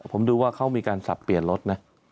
ผมดูว่าเขามีการสับเปลี่ยนรถนะ